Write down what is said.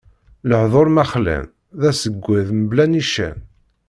Lehduṛ ma xlan, d aṣeggad mebla nnican.